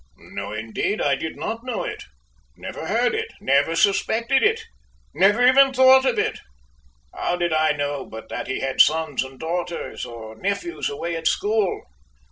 "No, indeed I did not know it! never heard it! never suspected it! never even thought of it! How did I know but that he had sons and daughters, or nephews away at school!"